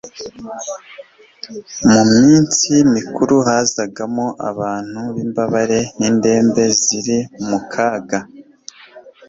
Mu minsi mikuru hazagamo abantu b'imbabare n'indembe ziri mu kaga.